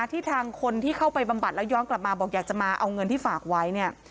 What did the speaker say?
ที่ทางคนที่เข้าไปบำบัดแล้วย้อนกลับมาบอกอยากจะมาเอาเงินที่ฝากไว้เนี่ย